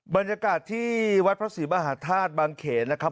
บรรยากาศที่วัดพระศรีมหาธาตุบางเขนนะครับ